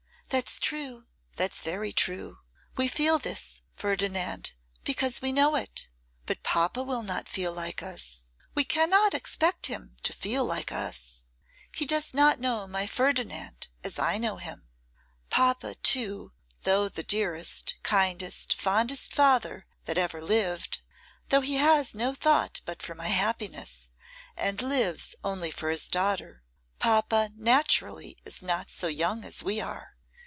'That's true, that's very true. We feel this, Ferdinand, because we know it. But papa will not feel like us: we cannot expect him to feel like us. He does not know my Ferdinand as I know him. Papa, too, though the dearest, kindest, fondest father that ever lived, though he has no thought but for my happiness and lives only for his daughter, papa naturally is not so young as we are.